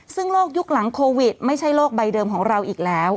ซึ่งโลกยุคหลังโควิดไม่ใช่โลกใบเดิมของเราอีกแล้ว